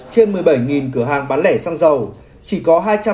trên một mươi bảy cửa hàng bán lẻ xăng dầu chỉ có